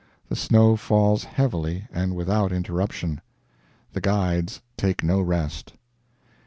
The snow falls heavily and without interruption. The guides take no rest.